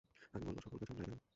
আগে বলল সকল কাজ অনলাইনে হবে।